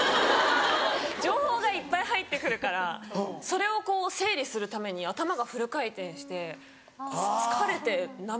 情報がいっぱい入ってくるからそれをこう整理するために頭がフル回転して疲れて涙が出ちゃう。